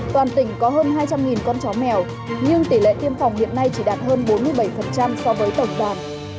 toàn tỉnh có hơn hai trăm linh con chó mèo nhưng tỷ lệ tiêm phòng hiện nay chỉ đạt hơn bốn mươi bảy so với tổng toàn